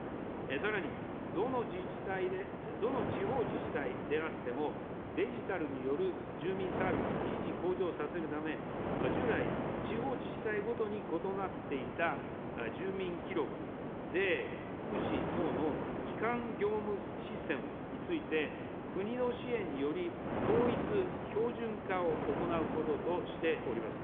さらに、どの地方自治体であっても、デジタルによる住民サービスを維持・向上させるため、従来、地方自治体ごとに異なっていた住民記録、税、福祉等の基幹業務システムについて、国の支援により、統一標準化を行うこととしております。